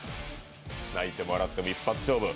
泣いても笑っても一発勝負。